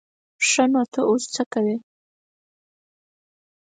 ښه نو ته اوس څه کوې؟